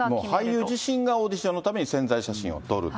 俳優自身がオーディションのために宣材写真を撮ると。